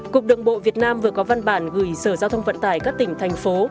cục đường bộ việt nam vừa có văn bản gửi sở giao thông vận tải các tỉnh thành phố